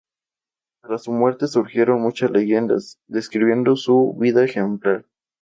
Tras su muerte surgieron muchas leyendas, describiendo su vida ejemplar.